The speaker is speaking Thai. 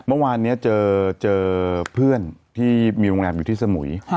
เมื่อวานนี้เจอเพื่อนที่มีโรงแรมอยู่ที่สมุย